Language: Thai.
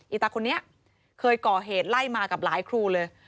อตาคนนี้เคยก่อเหตุไล่มากับหลายครูเลย